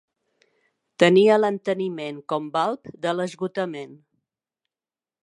Tenia l'enteniment com balb de l'esgotament.